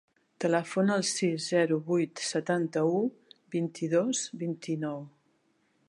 Telefona al sis, zero, vuit, setanta-u, vint-i-dos, vint-i-nou.